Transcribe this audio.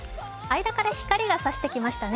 間から光が差してきましたね。